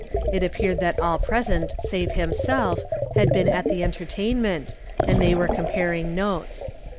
It appeared that all present save himself luul been at the entertainment, and they were eomparinin' notes.